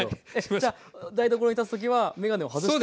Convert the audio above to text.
じゃあ台所に立つときは眼鏡を外して？